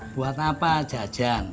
buat apa jajan